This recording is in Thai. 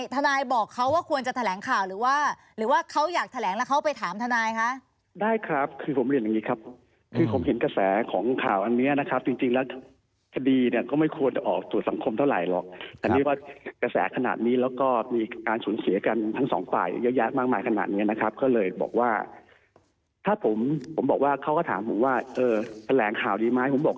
ท่านายบอกเค้าว่าควรจะแถลงข่าวหรือว่าหรือว่าเค้าอยากแถลงแล้วเค้าไปถามท่านาย